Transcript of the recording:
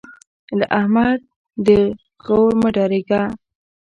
له احمد د غور مه ډارېږه.